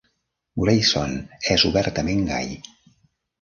Greyson és obertament gai.